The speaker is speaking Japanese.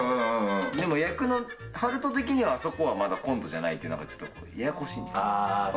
でも役の春斗的にはそこはまだコントじゃないっていう、ちょっとややこしいんだけど。